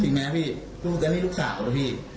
จริงไหมพี่ลูกแท้นี่ลูกสาวแล้วพี่